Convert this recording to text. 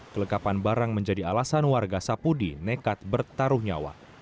kelengkapan barang menjadi alasan warga sapudi nekat bertaruh nyawa